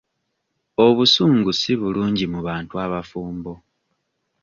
Obusungu si bulungi mu bantu abafumbo.